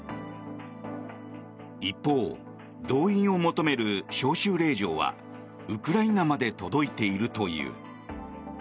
一方、動員を求める招集令状はウクライナまで届いているという。